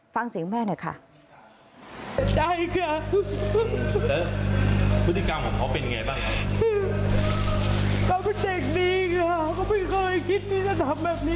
ฟังเสียงแม่หน่อยค่ะ